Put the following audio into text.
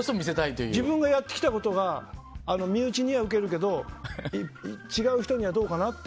自分がやってきたことが身内にはウケるけど違う人にはどうかなと。